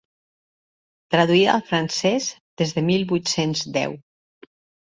Traduïda al francès des de mil vuit-cents deu.